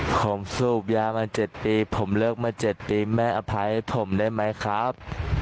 ผมสูบยามา๗ปีผมเลิกมา๗ปีแม่อภัยผมได้ไหมครับ